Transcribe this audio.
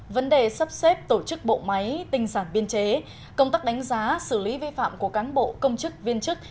vấn đề sắp xếp tổ chức bộ máy tinh sản biên chế công tác đánh giá xử lý vi phạm của cán bộ công chức viên chức